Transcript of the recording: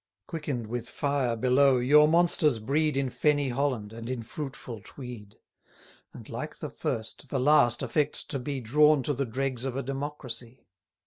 Quicken'd with fire below, your monsters breed In fenny Holland, and in fruitful Tweed: And, like the first, the last affects to be 210 Drawn to the dregs of a democracy.